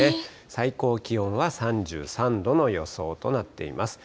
最高気温は３３度の予想となっています。